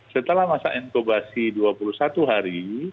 setelah masa inkubasi dua puluh satu hari